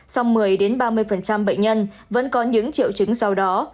song một mươi ba mươi bệnh nhân vẫn có những triệu chứng sau đó